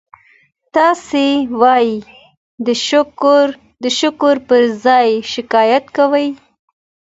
تاسي ولي د شکر پر ځای شکایت کوئ؟